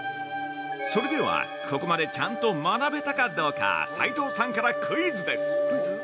それではここまでちゃんと学べたかどうか斎藤さんからクイズです。